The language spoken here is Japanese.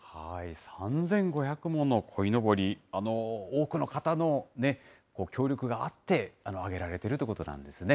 ３５００ものこいのぼり、多くの方の協力があって揚げられてるということなんですね。